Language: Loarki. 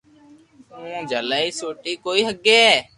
اووہ جھلائي سوٽي ڪوئي ھگي